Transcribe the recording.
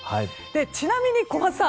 ちなみに小松さん